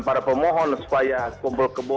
para pemohon supaya kumpul kumpul